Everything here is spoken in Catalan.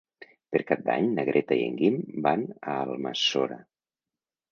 Per Cap d'Any na Greta i en Guim van a Almassora.